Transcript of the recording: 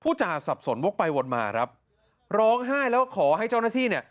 จ่าสับสนวกไปวนมาครับร้องไห้แล้วขอให้เจ้าหน้าที่เนี่ย